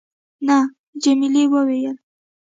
نه. جميلې وويل:.